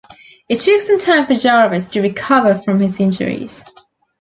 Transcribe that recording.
It took some time for Jarvis to recover from his injuries.